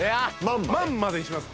万までにします？